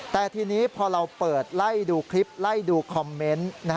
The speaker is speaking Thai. แต่ทีนี้พอเราเปิดไล่ดูคลิปไล่ดูคอมเมนต์